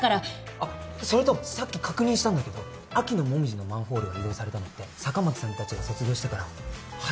あっそれとさっき確認したんだけど秋のモミジのマンホールが移動されたのって坂巻さんたちが卒業してから８年後なんだって。